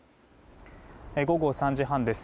午後３時半です。